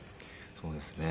そうですね。